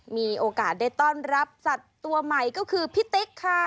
มีโอกาสได้ต้อนรับสัตว์ตัวใหม่ก็คือพี่ติ๊กค่ะ